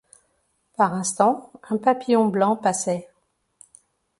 Par instants, un papillon blanc passait.